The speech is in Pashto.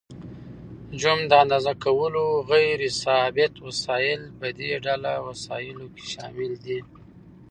ج: د اندازه کولو غیر ثابت وسایل: په دې ډله وسایلو کې شامل دي.